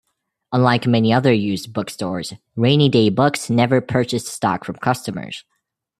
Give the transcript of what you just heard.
Unlike many other used bookstores, Rainy Day Books never purchased stock from customers.